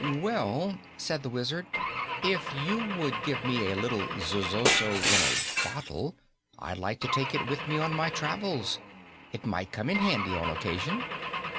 "Well," said the Wizard, "if you would give me a little zosozo in a bottle, I'd like to take it with me on my travels. It might come in handy on occasion."